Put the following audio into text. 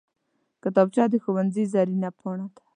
کتابچه د ښوونځي زرینه پاڼه ده